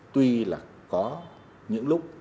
tuy là có những lúc